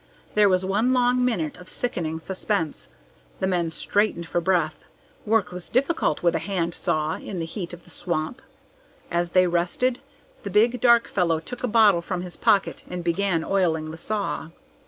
There was one long minute of sickening suspense. The men straightened for breath. Work was difficult with a handsaw in the heat of the swamp. As they rested, the big dark fellow took a bottle from his pocket and began oiling the saw.